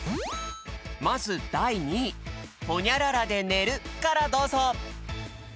まずだい２位「ホニャララで寝る」からどうぞ！